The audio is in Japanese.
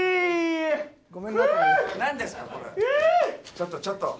ちょっとちょっと。